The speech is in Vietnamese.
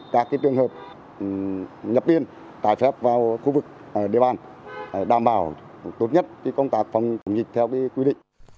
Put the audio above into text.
tất cả các trường hợp nhập biên trái phép vào khu vực địa bàn đảm bảo tốt nhất công tác phòng dịch theo quy định